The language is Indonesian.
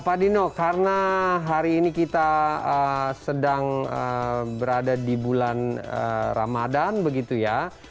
pak dino karena hari ini kita sedang berada di bulan ramadan begitu ya